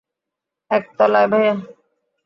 এক তলায়, ভায়া।